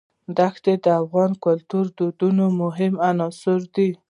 دښتې د افغان کورنیو د دودونو مهم عنصر دی.